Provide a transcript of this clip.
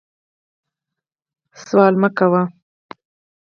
سوال مه کوئ